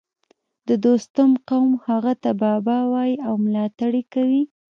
د دوستم قوم هغه ته بابا وايي او ملاتړ یې کوي